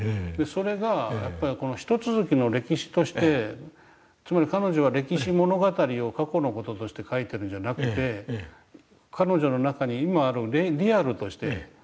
それがやっぱり一続きの歴史としてつまり彼女は歴史物語を過去の事として描いてるんじゃなくて彼女の中に今あるリアルとして入ってるわけですね。